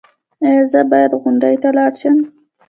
ایا زه باید غونډې ته لاړ شم؟